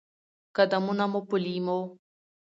قدمونه مو په لېمو،